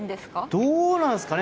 どうなんですかね。